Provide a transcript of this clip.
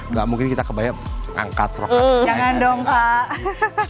nggak mungkin kita kebayang angkat roh roh jangan dong pak